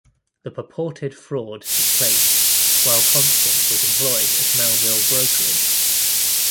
The purported fraud took place while Constant was employed at Melville Brokerage.